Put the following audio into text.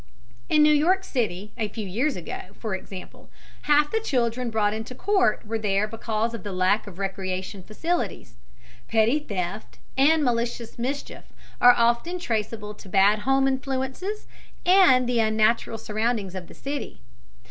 In New York City a few years ago, for example, half the children brought into court were there because of the lack of recreation facilities. Petty theft and malicious mischief are often traceable to bad home influences and the unnatural surroundings of the city.